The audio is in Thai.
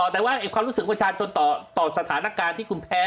แต่ว่าความรู้สึกประชาชนต่อสถานการณ์ที่คุณแพ้